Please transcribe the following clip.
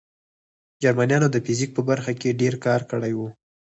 جرمنانو د فزیک په برخه کې ډېر کار کړی و